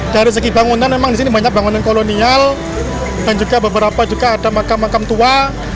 dari segi bangunan memang di sini banyak bangunan kolonial dan juga beberapa juga ada makam makam tua